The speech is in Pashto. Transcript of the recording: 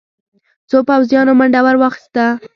څو پوځيانو منډه ور واخيسته.